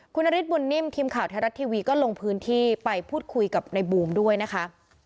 คุณนฤทธบุญนิ่มทีมข่าวไทยรัฐทีวีก็ลงพื้นที่ไปพูดคุยกับในบูมด้วยนะคะ